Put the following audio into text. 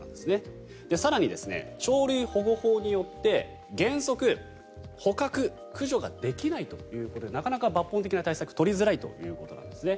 更に鳥類保護法によって原則、捕獲・駆除ができないということでなかなか抜本的な対策が取りづらいということなんですね。